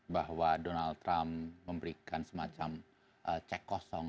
bahwa donald trump memberikan semacam cek kosong